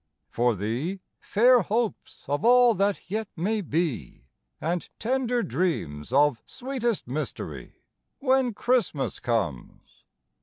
For thee, fair hopes of all that yet may be, And tender dreams of sweetest mystery, When Christmas comes.